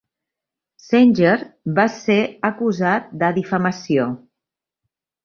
Zenger va ser acusat de difamació.